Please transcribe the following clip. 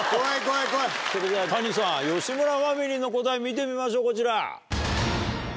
それでは谷さん吉村ファミリーの答え見てみましょうこちら。